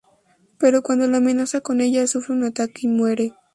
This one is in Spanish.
Pero cuando la amenaza con ella, sufre un ataque y muere.